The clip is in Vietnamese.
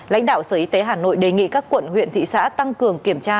lãnh đạo sở y tế hà nội đề nghị các quận huyện thị xã tăng cường kiểm tra